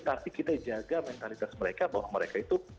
tapi kita jaga mentalitas mereka bahwa mereka itu